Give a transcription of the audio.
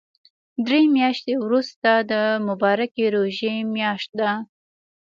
دري مياشتی ورسته د مبارکی ژوری مياشت ده